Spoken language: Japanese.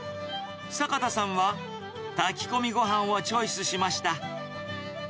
坂田さんは炊き込みごはんをチョイスしました。